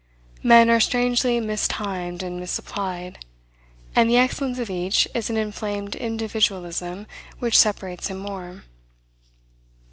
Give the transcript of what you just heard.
Men are strangely mistimed and misapplied; and the excellence of each is an inflamed individualism which separates him more.